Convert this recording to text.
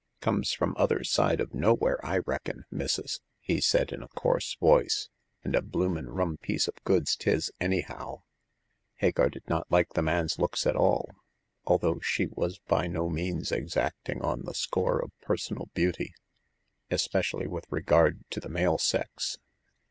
" Comes from other side of Nowhere, I reckon, missus !" he said, in a coarse voice ;and a bloomin' rum piece of goods 'tis, anyhow !" Hagar did not like the man's looks at all, al though she was by no means exacting on the score of personal beauty — especially with regard to the male sex.